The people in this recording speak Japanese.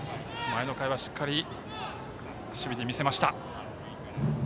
前の回はしっかり守備で見せました。